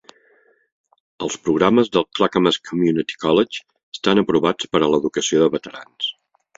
Els programes del Clackamas Community College estan aprovats per a l'educació de veterans.